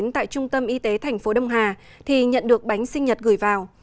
tại trung tâm y tế tp đông hà thì nhận được bánh sinh nhật gửi vào